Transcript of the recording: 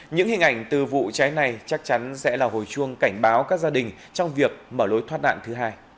những hình ảnh từ vụ cháy này chắc chắn sẽ là hồi chuông cảnh báo các gia đình trong việc mở lối thoát nạn thứ hai